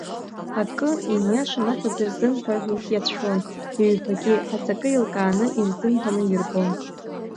Акы, ииашаны ахьӡ рзымҳәар ҳәа иацәшәон, ҩбагьы, аҵакы еилкааны ирзымҳәоны ирбон.